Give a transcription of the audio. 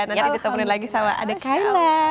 nanti ditemani lagi sama ada kaila